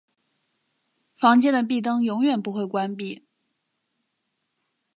房间的壁灯永远不会关闭。